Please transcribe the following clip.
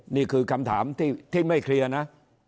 นี่คือคำถามที่ไม่เคลียร์นะ